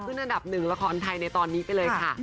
ขึ้นอันดับหนึ่งราคอนไทยในตอนนี้ไปเลยค่ะ